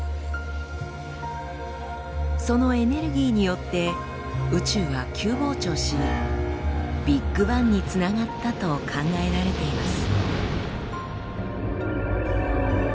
そのエネルギーによって宇宙は急膨張しビッグバンにつながったと考えられています。